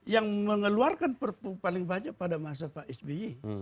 yang mengeluarkan perpu paling banyak pada masa pak s b i